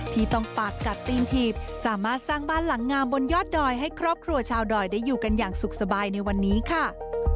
ที่ต้องปากกัดตีนถีบสามารถสร้างบ้านหลังงามบนยอดดอยให้ครอบครัวชาวดอยได้อยู่กันอย่างสุขสบายในวันนี้ค่ะ